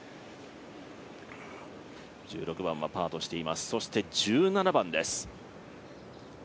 １６番はパーとしています、そして１７番です。